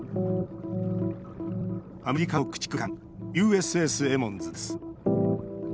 アメリカの駆逐艦ＵＳＳエモンズです。